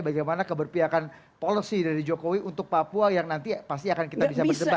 bagaimana keberpiakan policy dari jokowi untuk papua yang nanti pasti akan kita bisa berdebat